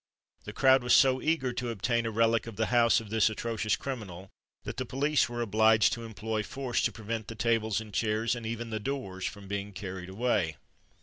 The crowd was so eager to obtain a relic of the house of this atrocious criminal, that the police were obliged to employ force to prevent the tables and chairs, and even the doors, from being carried away.